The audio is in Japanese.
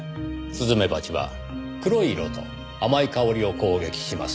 スズメバチは黒い色と甘い香りを攻撃します。